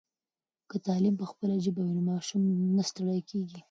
که تعلیم په خپله ژبه وي نو ماشوم نه ستړی کېږي.